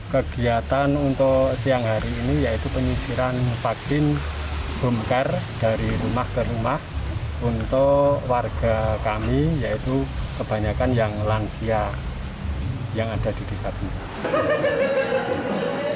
kegiatan untuk siang hari ini yaitu penyisiran vaksin bumkar dari rumah ke rumah untuk warga kami yaitu sebanyak yang lansia yang ada di dekatnya